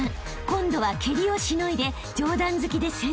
［今度は蹴りをしのいで上段突きで先制］